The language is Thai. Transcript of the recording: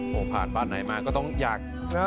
โอ้โหผ่านบ้านไหนมาก็ต้องอยากนะ